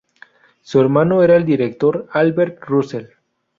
Su hermano era el director Albert Russell.